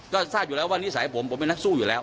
ก็ทราบอยู่แล้วว่านิสัยผมผมเป็นนักสู้อยู่แล้ว